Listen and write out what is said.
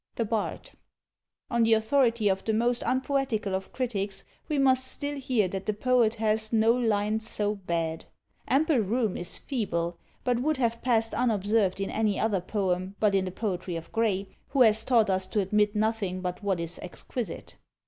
The Bard. On the authority of the most unpoetical of critics, we must still hear that the poet has no line so bad. "ample room" is feeble, but would have passed unobserved in any other poem but in the poetry of Gray, who has taught us to admit nothing but what is exquisite.